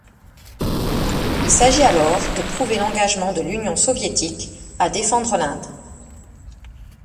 Il s’agit alors de prouver l’engagement de l’Union soviétique à défendre l’Inde.